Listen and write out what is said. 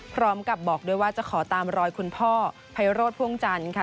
พร้อมกับบอกด้วยว่าจะขอตามรอยคุณพ่อไพโรธพ่วงจันทร์ค่ะ